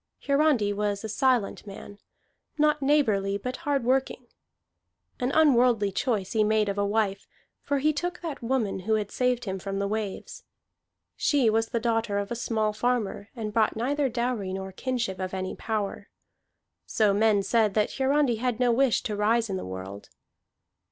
Hiarandi was a silent man, not neighborly, but hard working. An unworldly choice he made of a wife, for he took that woman who had saved him from the waves; she was the daughter of a small farmer and brought neither dowry nor kinship of any power. So men said that Hiarandi had no wish to rise in the world.